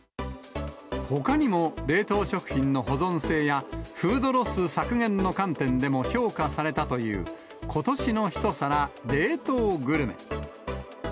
ほかにも冷凍食品の保存性や、フードロス削減の観点でも評価されたという今年の一皿、冷凍グルメ。